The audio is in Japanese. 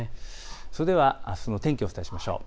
それではあすの天気、お伝えしましょう。